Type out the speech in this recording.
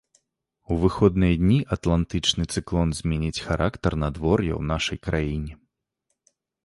У выходныя дні атлантычны цыклон зменіць характар надвор'я ў нашай краіне.